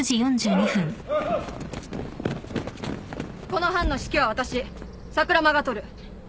この班の指揮は私桜間が執る。